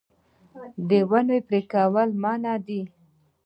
د ونو پرې کول منع دي